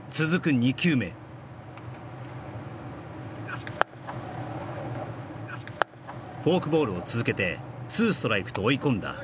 ２球目フォークボールを続けて２ストライクと追い込んだ